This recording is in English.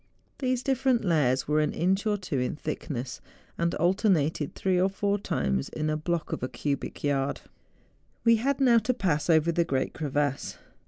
These different layers were an 72 MOUNTAIN ADVENTURES. inch or two in thickness, and alternated three or four times in a block of a cubic yard. We had now to pass over the great crevasse.